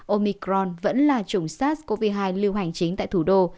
omicron vẫn là chủng sars cov hai lưu hành chính tại thủ đô